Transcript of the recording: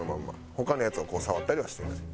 他のやつをこう触ったりはしてない。